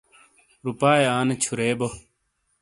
روپاۓ آنے چھُرے بو۔